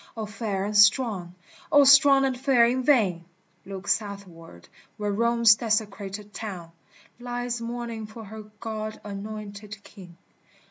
O Fair and Strong ! O Strong and Fair in vain ! Look southward where Rome's desecrated town Lies mourning for her God anointed King